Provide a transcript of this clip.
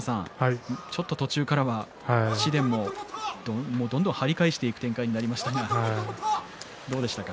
ちょっと途中からは紫雷もどんどん張り返していく展開になりましたがどうでしたか？